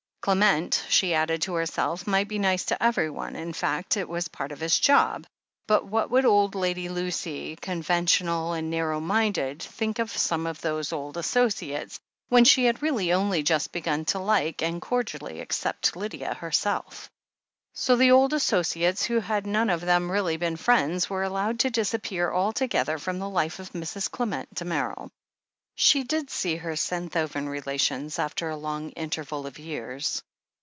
Clement, she added to herself, might be nice to everyone — in fact, it was part of his job but what would old Lady Lucy, conventional and nar THE HEEL OF ACHILLES 331 row minded, think of some of those old associates, when she had really only just begun to like, and cor dially accept, Lydia herself ? So the old associates, who had none of them really been friends, were allowed to disappear altogether from the life of Mrs. Clement Damerel. She did see her Senthoven relations, after a long interval of years.